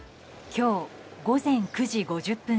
今日午前９時５０分